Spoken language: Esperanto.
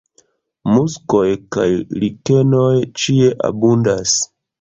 Muskoj kaj likenoj ĉie abundas.